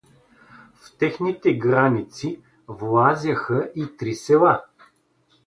В техните граници влазяха и три села.